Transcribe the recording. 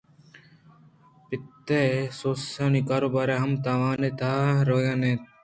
پت ءِسواسانی کاروبار ہم تاوانے تہاروان بوت